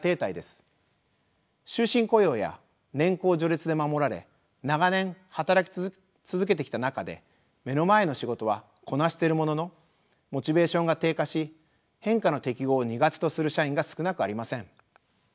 終身雇用や年功序列で守られ長年働き続けてきた中で目の前の仕事はこなしているもののモチベーションが低下し変化の適合を苦手とする社員が少なくありません。